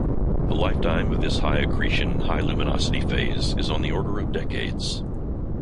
The lifetime of this high-accretion, high-luminosity phase is on the order of decades.